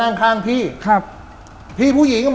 บางคนก็สันนิฐฐานว่าแกโดนคนติดยาน่ะ